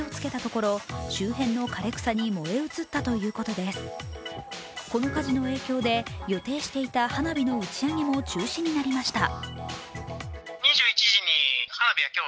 この火事の影響で予定していた花火の打ち上げも中止になりました。